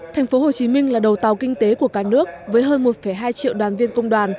thành phố hồ chí minh là đầu tàu kinh tế của cả nước với hơn một hai triệu đoàn viên công đoàn